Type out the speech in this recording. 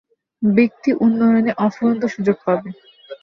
ব্যক্তি উন্নয়নের অফুরন্ত সুযোগ পাবে।